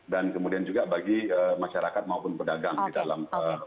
dan kemudian juga bagi masyarakat maupun pedagang di dalam